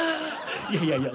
いやいやいや。